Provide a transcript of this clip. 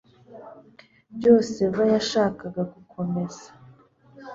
Byose Eva yashakaga gukomeza